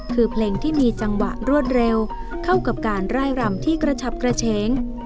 คือเพลงที่มีจังหวะรวดเร็วเข้ากับการไล่รำที่กระฉับกระเฉง